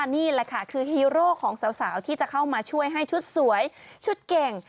นี่แหละค่ะคือฮีโร่ของสาวที่จะเข้ามาช่วยให้ชุดสวยชุดเก่ง